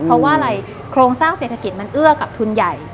เพราะว่าอะไรโครงสร้างเศรษฐกิจมันเอื้อกับทุนใหญ่